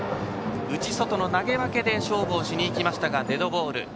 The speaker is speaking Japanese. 内、外の投げ分けで勝負をしにいきましたがデッドボール。